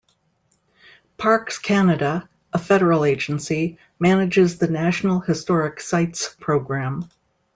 Parks Canada, a federal agency, manages the National Historic Sites program.